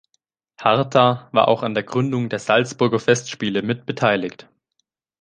Harta war auch an der Gründung der Salzburger Festspiele mit beteiligt.